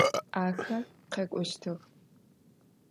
Axer khek'oştıx.